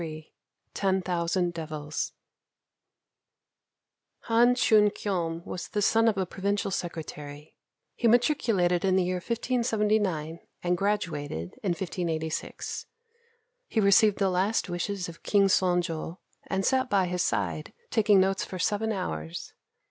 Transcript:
XXIII TEN THOUSAND DEVILS [Han Chun kyom was the son of a provincial secretary. He matriculated in the year 1579 and graduated in 1586. He received the last wishes of King Son jo, and sat by his side taking notes for seven hours.